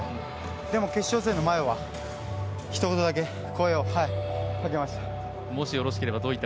でも決勝戦の前はひと言だけ声をかけました。